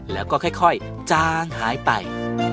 แล้วก็ค่อยจางหายไป